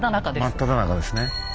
真っただ中ですね。